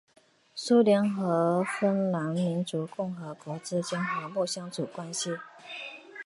苏联和芬兰民主共和国之间和睦相处关系。